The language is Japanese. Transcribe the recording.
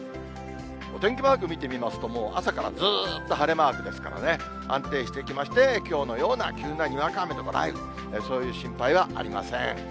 お天気マーク見てみますと、もう朝からずっと晴れマークですからね、安定してきまして、きょうのような急なにわか雨とか雷雨、そういう心配はありません。